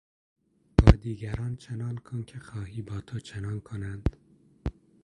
با دیگران چنان کن که خواهی با تو آنچنان کنند.